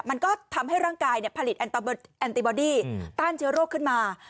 มันก็ทำให้ร่างกายผลิตแอนติบอดี้ต้านเชื้อโรคขึ้นมา